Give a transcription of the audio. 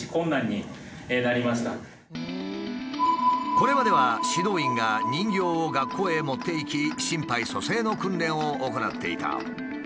これまでは指導員が人形を学校へ持っていき心肺蘇生の訓練を行っていた。